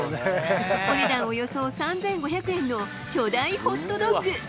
お値段、およそ３５００円の巨大ホットドッグ。